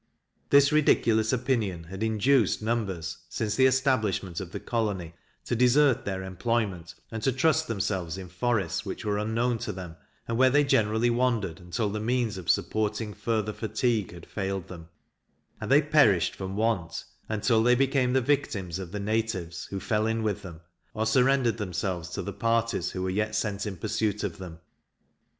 This ridiculous opinion had induced numbers, since the establishment of the colony, to desert their employment, and to trust themselves in forests which were unknown to them, and where they generally wandered until the means of supporting further fatigue had failed them, and they perished from want until they became the victims of the natives who fell in with them or surrendered themselves to the parties who were sent in pursuit of them.